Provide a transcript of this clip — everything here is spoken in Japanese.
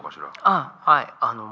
ああはい。